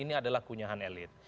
ini adalah kunyahan elit